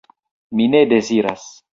Mi ne deziras!